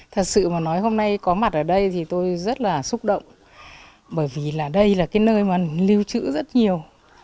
thật sự mà nói hôm nay có mặt ở đây thì tôi rất là xúc động bởi vì là đây là cái nơi mà lưu trữ rất nhiều